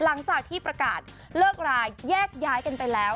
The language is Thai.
หลังจากที่ประกาศเลิกราแยกย้ายกันไปแล้ว